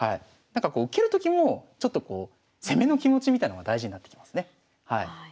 なんかこう受けるときもちょっとこう攻めの気持ちみたいのが大事になってきますね。